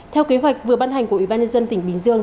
theo kế hoạch vừa ban hành của ủy ban nhân dân tỉnh bình dương